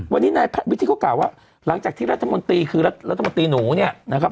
วันนี้นายแพทย์วิทธิเขากล่าวว่าหลังจากที่รัฐมนตรีคือรัฐมนตรีหนูเนี่ยนะครับ